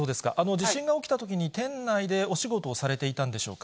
地震が起きたときに、店内でお仕事をされていたんでしょうか。